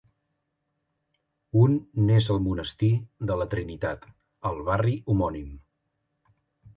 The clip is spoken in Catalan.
Un n'és el monestir de la Trinitat, al barri homònim.